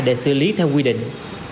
để xử lý theo quy định